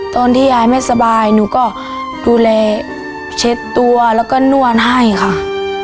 ตอนที่ยายไม่สบายหนูก็ดูแลเช็ดตัวแล้วก็นวดให้ค่ะ